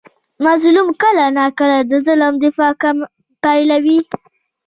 مظلوم کله ناکله د ظالم دفاع پیلوي.